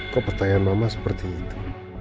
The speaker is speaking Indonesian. kok pertanyaan mama seperti itu